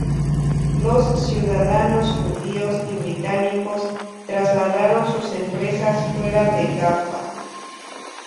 Los ciudadanos judíos y británicos trasladaron sus empresas fuera de Jaffa.